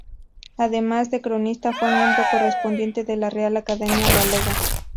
Además de cronista, fue miembro correspondiente de la Real Academia Galega.